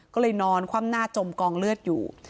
ก็เลยนอนคว่ำหน้าจมกองเลือดอยู่